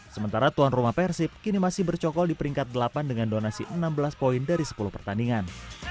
sementara tuan rumah persib kini masih bercokol di peringkat delapan dengan donasi enam belas poin dari sepuluh pertandingan